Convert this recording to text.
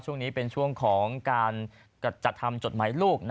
ช่วงนี้เป็นช่วงของการจัดทำจดหมายลูก